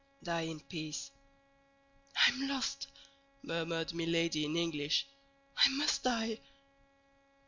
Die in peace!" "I am lost!" murmured Milady in English. "I must die!"